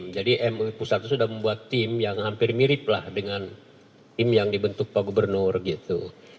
jadi mui pusat itu sudah membuat tim yang hampir mirip lah dengan tim yang dibentuk pak gubernur gitu